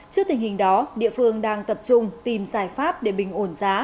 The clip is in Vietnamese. trước tình hình đó địa phương đang tập trung tìm giải pháp để bình ổn giá